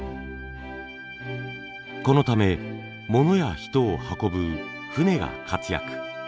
このため物や人を運ぶ船が活躍。